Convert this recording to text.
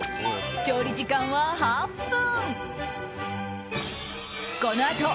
調理時間は８分！